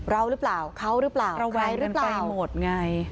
เราหรือเปล่าเขาหรือเปล่าใครหรือเปล่า